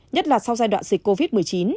nhất là sau giai đoạn dịch covid một mươi chín